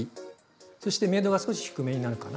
そして明度が少し低めになるかな。